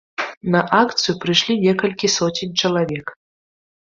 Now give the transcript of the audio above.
На акцыю прыйшлі некалькі соцень чалавек.